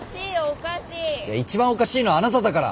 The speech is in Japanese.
一番おかしいのはあなただから！